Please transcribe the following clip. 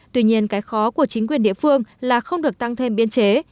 tuy nhiên cái khó của chính quyền địa phương là không được tăng thêm biên chế